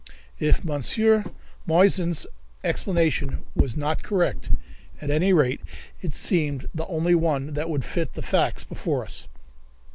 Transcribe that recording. If Monsieur Moissan's explanation was not correct, at any rate it seemed the only one that would fit the facts before us.